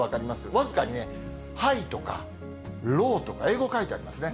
僅かにね、ＨＩＧＨとか、ＬＯＷとか、英語書いてありますね。